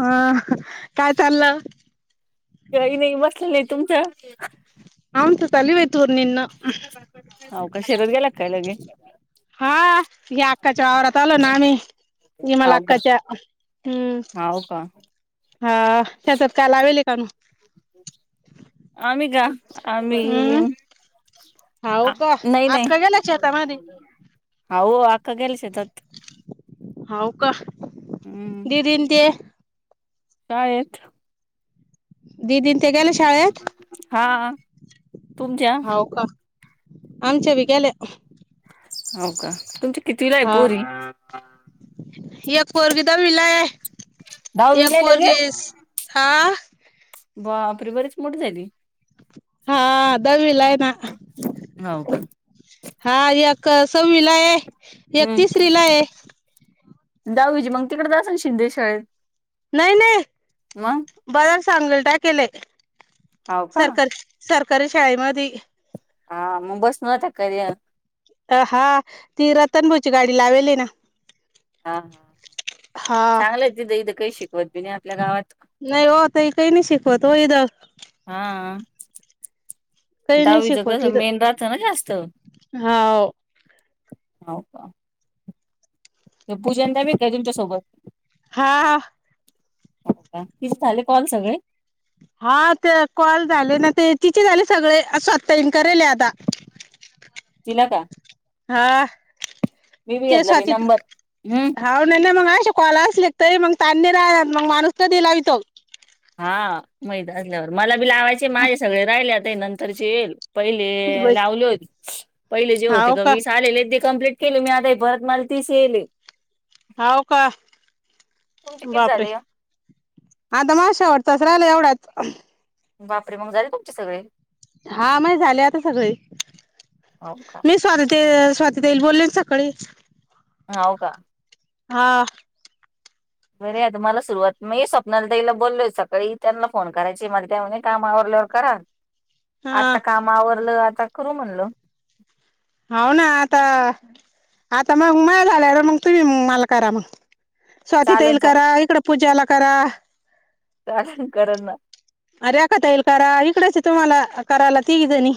अ काय चाललं काही नाही बसले आहे, तुमच्या? आमच चल्या बाई हो का शेतात गेला काय लगे [unintelligible] हा या अकाच्या, आवरात आलो ना मी. इमल हो अकाच्या, हम्म का हो का हा, त कायला लावेेले का मग? आम्ही का, आम्ही, हम्म हाव का नाही, नाही. अक्का गेल्या शेतामध्ये हो अका गल्सेतात, हाऊ का, हम्म, दिदीन ते काय आहेते, दीदी अन ते गेले शाळेत, हा तुमच्या होव का, आमच्या बी गेल्या, हो का तुमची कितीविला, आहे हा पोरी. एक पोरगी दहावी ला आहे, एक दहावीला आहे लगे पोरगी सा हा बाप रे बरीच, मोठी झाली. हा दवीला आहे, ना. हो का हा एक सावीला आहे, एक तिसरीला हम्म आहे दहावी ची मग तिकड, असल शिंदे शाळेत. नाही नाही, मग बाजार चांगले काय केलंय हो का सरकार, सरकारी शाळेमध्ये, हा म बस न जाते काय? अ हा ती रतनभाऊची गाडी, लावेल आहे ना. हा, हा हा चांगलंच तिथं इथं काही शिकवत बी नाही, आपल्या गावात. नाही होओ काही नाही शिखवत, हो हेत, हा, काही नाही दडहावीच शिकवत कस मेन, इथं राहत ना जास्त. हाव हो का, पूजनंदा बी हाय, काय तुमच्यासोबत. हा, हा, हो का तिस झाले कॉल सगळे हा ते कॉल झाले ना ते तिचे झाले सगळे स्वतः हन करेले आता तिला का ह हा मी बी ते घेतला बाई स्वातीत नंबर हम्म हा मग अे कोलास लिखतय मग त्यांनी राह मग माणूसक दिलावितो. हा [unintelligible] असल्यावर मला बी लावायचे, माझे सगळे राहिलेता नंतरचे येईल. पहिले लावले होते, पहिले जे होते का वीस आलेले ते कमप्लीट केले मी आता, परत मला तीस येइले. हावका, तुमचे किती बापरे! झाले आता माझा शेवट चा, राहिला एवढ्याच, बापरे! मग झाले तुमचे सगळे हा म झाले आता सगळे हो का मी स्वात स्वाती ताई बोलले सकाळी हो का हा बरे तुम्हाला सुरुवात मी स्वप्नालाईला बोललोय सकाळी त्यांना फोन करायची मला त्यामध्ये काम आवरडल्यावर करा [inaudible] आता कामावरलं आता करू म्हणल. हो ना आता आता मग उमाया झाल्या र मग तुम्ही माल करा मग चालेल स्वातीताईला करा इकड पूजाला करा. चालेल करल ना. अरे आक्का ताईला करा, इकडच तुम्हाला करायला तीघी जणी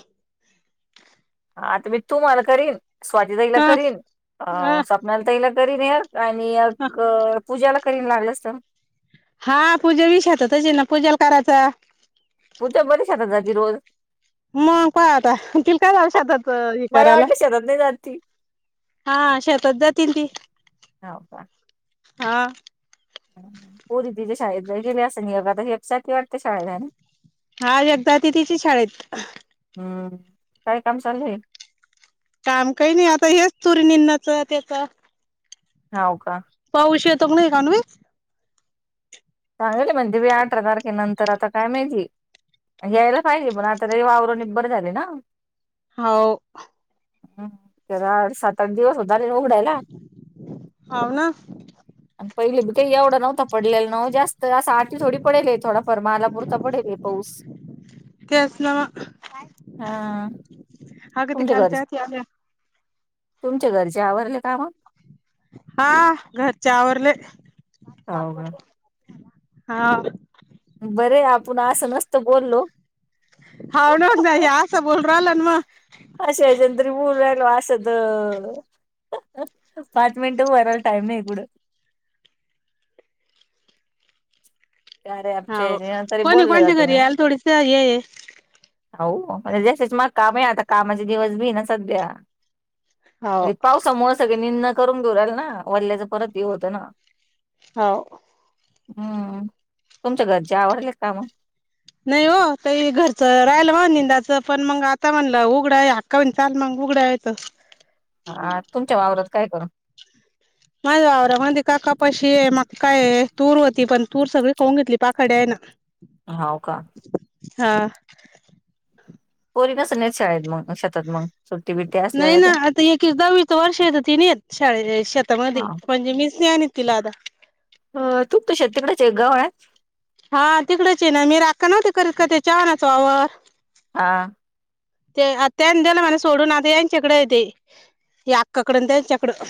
हा आता मी तूम्हाला करीन, स्वाती ताईला हा करीन, हा अ स्वप्नाली ताईला करीन आणि. आणि हा एक पूजाला करीन लागलंच तर. हा पूजे विषत तची ना पूजेला करायचा. पूजा बरीचात जी रोज. मग काय आता त काय जाऊ शेतात हे मला करायला वाटलं शेतात नाही जात. हा शेतात जातील ती हो का हा. पोरी तिच्या शाळेतला गेले असत नाही बग आता हेपच्यााती वाटते शाळला हा एकदा तिथीची शाळेत. हम्म काय काम चालूय? काम काही नाही आता हेच चुरीणींनाच त्याचा हाव का? पाऊस येतो पण एणवे. सांगितले म्हणे मी अठरा तारखेनंतर आता काय माहिती यायला पाहिजे पण आता वावर निबर झाले ना. हो. हम् चरा सात आठ दिवस होत आले उघडायला. हाव ना आणि पहिले ते एवढं नव्हता पडलेला नव्ह्या. त असं आठ थोडी पडेल आहे थोडाफर मला पुरता पडेल आहे पाऊस. तेच ना म. हा तुमच्या घरचे तुमच्या घरचे आवरले काम हा घरच्या आवरले कॉल हाव का? करते हा. बरे आपण असं नसतं बोललो. होन ना यास बोल रालनमा. अशा या्याच्यानंतरी ऊल वेगला असत पाच मिनिटं वराला टाईम नाही पुढं. अरे आपचे हाव तरी कोणी बोलले कोणच्या जात घरी म. यायला थोडीस हे हो म्हणजे ज मग काम आहे आता कामाचे दिवस भी ना सध्या हाव म्हणे पावसामुळ सगळे निंन करून [unintelligible] ना वल्ल्याचं परत हे होतं ना. हा. हम्म, तुमच्या घरचे आवरले कामं? नाही हो ते घरच राहिल म निंदाचं पण मग आता म्हणलं उघडाया. कावीन चाल मग उघड्या येतं. ह तुमच्या वावरात काय करू. माझ वावरा मदी काका पशी ये म काय तूर होती पण तूर सगळी खऊन घेतली पाखड्या आहे ना. [inaudible] हओ का? हा. पोरी नसल नयेत शाळेत मग शेतात मग सुट्टी बिट्टी नाही असल्याला ते ना आता एकीच दहावीच वर्ष आहे ना ती नाहीे येत शाळेले, शेतामध्ये. हा म्हणजे मीच [unintelligible] तिला आता. अ तूप कशाचे तिकडचे गवा [unintelligible] हा तिकडच ये ना मी राखन न्हवती ती करत का त्याच्यावरचा वावर. हा. ते आत्या आलत्या ना मला सोडून आता यां च्याकडे आहे ते. की अक्का कडं अन त्यांचाकडं.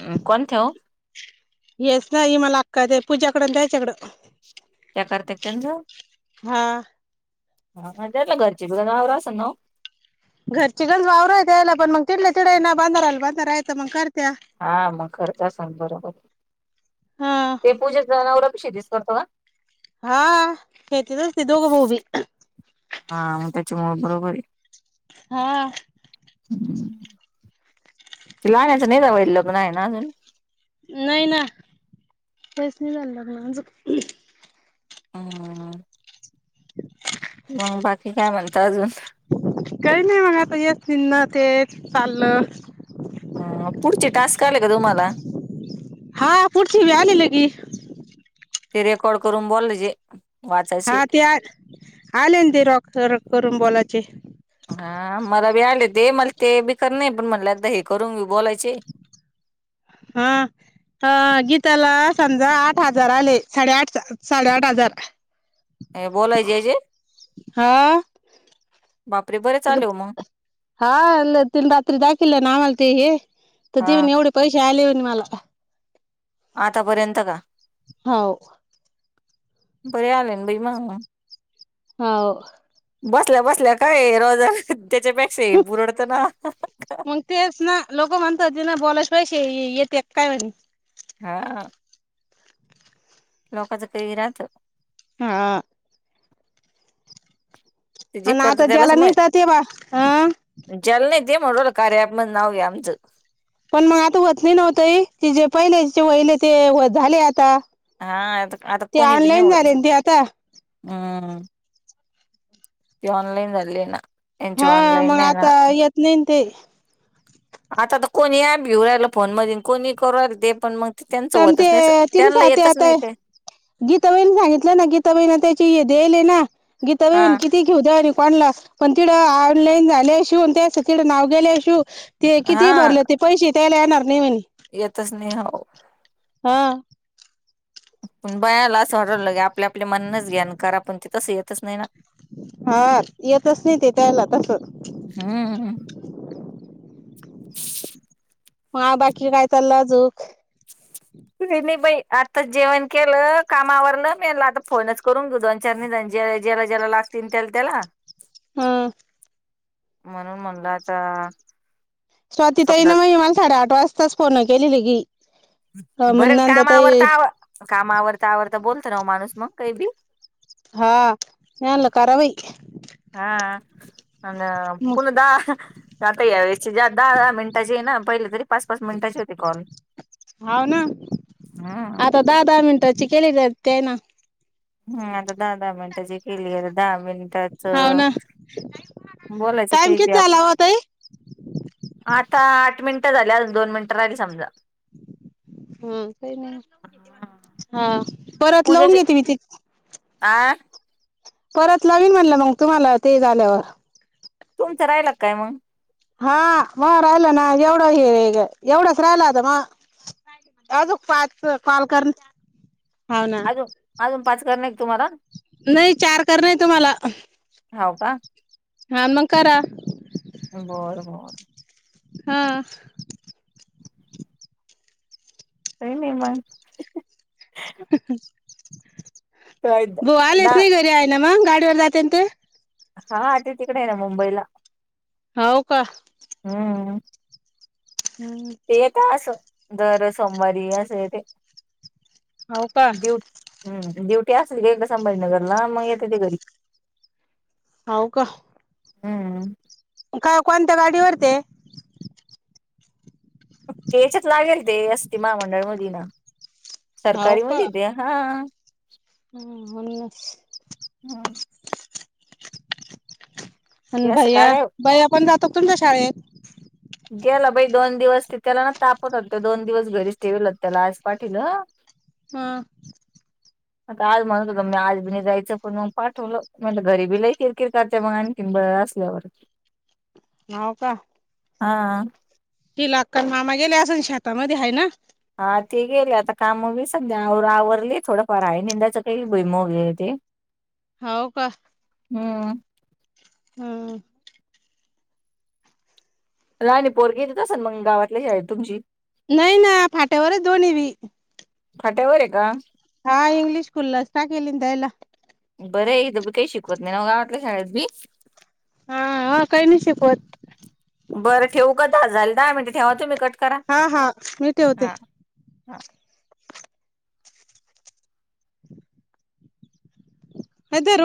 अ कोणत्या ओ? येच नाही मला अक्काते पूजाकड आणि त्या च्याकडं. त्या करत्यात त्यांचं हा. हा त्याला घरची बी जनावर असेल ना ओ? घरची जनावर त्याला पण मग तिथल्या तिथे ना बांधारा आला बांधायचा मग काय. हा मग खर्च सांग बरोबर हा [inaudible] ते पूजे जनावर [unintelligible] हा खेतीच असते दोघं भाऊबि हा मग त्याच्यामुळे बरोबर ये. हा. [inaudible] ते लहाण्याच नाई का वय लग्न हाय ना अजून नाही ना [inaudible] त्यास्नी [unintelligible] लग्न अजून. हा, हा. मग बाकी काय म्हणता अजून? काही नाही मग आता येतील ना तेच चाललं ह पुढचे टास्क आले का तुम्हाला? पुढचे बी आलेले की. ते रेकॉर्ड करून बोलायाचे. हा ते आ आले ना ते रॉख करू-करून बोलायचे. हा मला बी आले ते मला ते बी कर नाही पण म्हणलं एकदा हे करून बी बोलायचे. हा. हा गीताला समजा आठ हजार आले साडेआठ, साडेआठ हजार. अ बोलायचे याचेे हा [inaudible] बापरे बर [inaudible] हा ल तेन रात्री दाखीवल ना आम्हाला ते हे तर हा तन एवढ पैसे आले पण मला. आतापर्यंत का? होओ. बरे आले बई मग. हो. बसल्या बसल्या काय रोजगार त्याच्यापेक्षा हे परवडत ना? मग तेच ना लोक म्हणत होते ना बोलायच पैसे येतायेत काय म्हण? हा. लोकांचं [unintelligible] राहतं हा ते जे आणि आता ज्याला निंतात तेवा आ जल नेते म्हणुन कार्या ऍपमधे नाव आहे आमचं. पण मग आता व्हत नाही ना ओ ताई जे पहिले वहिले ते व झाले आता हा आता आता ते कोणी बी नाही ऑनलाईन होत झाले ते आता [inaudible] हम्म. त्यो ऑनलाईन भरलेला. हा मग आता येत नाहीन ते. आता तर कोणीही ऍप घेऊ राहिल फोन मधे आणि कोणी करू राहील ते पण मग. त्यांचं पण होतच ते नाही असं. तीन त्यांना साते येतच नाही आता काय. गीताबाईन सांगितलं ना गीताबाईन त्याची देल ना गीताबाई हा किती. ती घेऊता कोणला पण तिडं ऑनलाईन झालं शिव तेच तिडं नाव गेले शिव. ते हा किती भरले ते पैसे त्यायला येणार नाही म्हणे. येतच नाही हो. हा. पण बयाला असं वाटवलं की आपल्या आपल्या मनाच ज्ञान करा पण ते तसं येतच नाही ना. हा येतच नाही ते त्याला तस हम्म ह बाकी काय चाललं अजूक? [unintelligible] बाई आत्ता जेवण केलं काम आवरलं मी आता फोनच करून दु [unintelligible] जेरा जेला लागतिल तेलतेला हम. म्हणून म्हणलाता. स्वातीता ये ना मग मला साडेआठ वाजताच फोन केली गी. बरं कामावर तर आव कामावरता आवरता बोलत नाव माणूस मग काही बी. हा लं करावई. हा आ मग पुणदा. आता या व दहा दहा मिनिटाची ना पहिले तरी पाच पाच मिनिटाची होती कॉल. होाव ना हम्म. आता दहा दहा मिनटाची केलेली ते ना. हम आता दहा दहा मिनिटाची केली आहेता दहा मिनिट. त्याच हाव ना बोलायचं टाइम काही बी किती आपलं. झाला हो ताई आता आठ मिनिटं झाल्या दोन मिनिटं राहिली समजा. हा का हा परत लावून पूजेचे घेते मी ति. आ. परत नवीन म्हणलं मग तुम्हाला ते झाल्यावर. तुमचं राहिलं काय मग. हा म राहिलं ना एवढं हे एवढंच राहिलं आता मग. अजून पाच कॉल कर ह ना. अजून अजून पाचकार नाही एक तुम्हाला. नाही चार कर नाही तुम्हाला. हबा. हा मग करा. बर बर. हा. त नाही म. काय बो ना आलेस नाही घरी आहे ना मग गाडीवर जाते ते. हा आट तिकडे आहे ना मुंबईला. होव का. हम्म हम्. ते येत असं दर सोमवारी असं ते हाव का? ड्युट. हम् ड्युटी असेल का एकदा संभाजीनगरला मग येते ते घरी. हो का. हम्म. काय कोणत्या गाडीवर ते. केचच लागेल ते असती महामंडळ मुली ना सरकारी मुली ते हा. हा म्हन. हम. ते आणि असं भैया गाड्या भैया पण जातो तुमच्या शाळेत गेला बाई दोन दिवस ते त्याला ना तापत होत दोन दिवस घरीच ठेवल त्याला आज पाठीवल हम आता आज म्हणत ग मी आज बी नाही जायचं पण मग पाठवलं म्हटलं घरी बी लई किरकिर करतय मग आणि किंबया्या असल्यावर न का हां ति लाक मामा गेले असून शेतामध्ये आहे ना हा ते गेले आता काम वगेरे सध्या आवरली थोडंफार आहे निंदाच काही भमगले ते होव का. हम्. हम. रानी पोरगी येत असेल मग गावातलेी आहे तुमची. नाही ना फाट्यावर दोन्ही व. फाट्यावर आहे का हा इंग्लिश स्कूल ल् टाकीली एला बरं आहे इथी काही शिकवत नाही नग ग आवटलं शाळेत बी हा काही नाही शिकवत बरं ठेऊू का दहा झाले दहा मिनटे ठेवा तुम्हीच हा हा मी ठेवते हा. ह तर